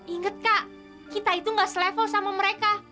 ingat kak kita itu gak selevel sama mereka